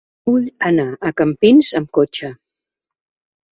Vull anar a Campins amb cotxe.